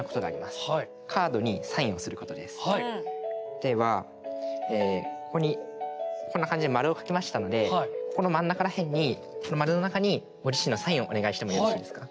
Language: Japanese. ではここにこんな感じで丸を書きましたのでこの真ん中ら辺にこの丸の中にご自身のサインをお願いしてもよろしいですか。